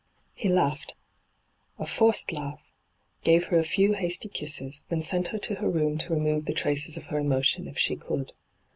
He laughed — a forced laugh — gave her a few hasty kisses, then sent her to her room to remove the traces of her emotion if she could.